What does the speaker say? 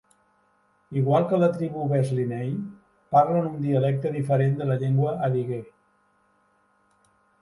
Igual que la tribu Besleney, parlen un dialecte diferent de la llengua adigué.